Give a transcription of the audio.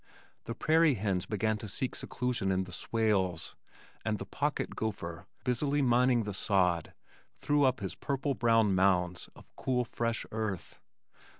The prairie hens began to seek seclusion in the swales, and the pocket gopher, busily mining the sod, threw up his purple brown mounds of cool fresh earth.